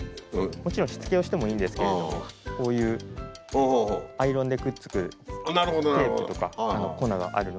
もちろんしつけをしてもいいんですけれどこういうアイロンでくっつくテープとか粉があるので。